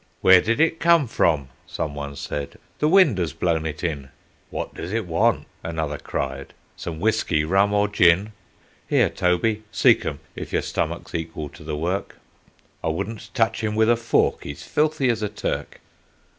"Where did it come from?" someone said. " The wind has blown it in." "What does it want?" another cried. "Some whiskey, rum or gin?" "Here, Toby, sic 'em, if your stomach's equal to the work I wouldn't touch him with a fork, he's filthy as a Turk."